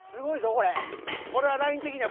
これはライン的には？